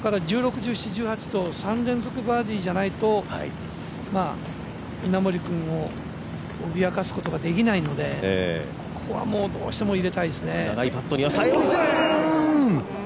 １６、１７、１８と３連続バーディーじゃないと稲森君を脅かすことができないので、ここはどうしても入れたいですよね。